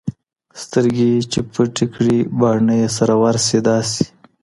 سترګي چي پټي كړي باڼه يې سره ورسي داسـي